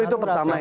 itu pertama ya pak